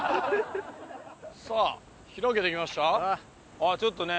あっちょっとね